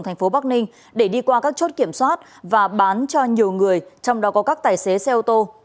thành phố bắc ninh để đi qua các chốt kiểm soát và bán cho nhiều người trong đó có các tài xế xe ô tô